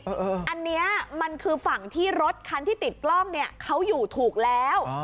อันนี้มันคือฝั่งที่รถคันที่ติดกล้องเนี่ยเขาอยู่ถูกแล้ว